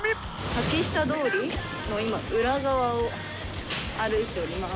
竹下通りの今裏側を歩いております。